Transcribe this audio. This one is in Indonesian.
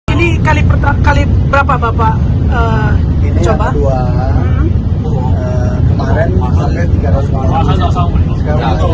ini kali berapa bapak